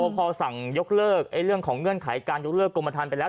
พอสั่งยกเลิกเรื่องของเงื่อนไขการยกเลิกกรมฐานไปแล้ว